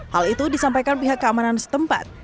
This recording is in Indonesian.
hal itu disampaikan pihak keamanan setempat